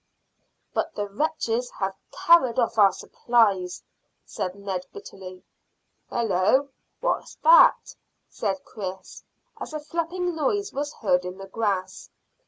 "But the wretches have carried off our supplies," said Ned bitterly. "Hallo! What's that?" said Chris, as a flapping noise was heard in the grass.